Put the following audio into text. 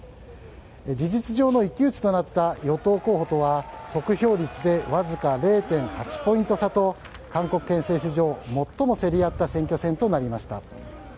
事実上の一騎打ちとなった与党候補とは得票率でわずか０．８ポイント差と韓国憲政史上、最も競り合った選挙戦となりました。